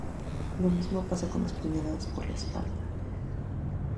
Lo mismo pasa con las puñaladas por la espalda.